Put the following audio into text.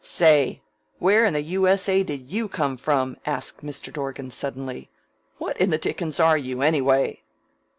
"Say! Where in the U.S.A. did you come from?" asked Mr. Dorgan suddenly. "What in the dickens are you, anyway?"